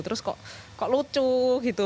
terus kok lucu gitu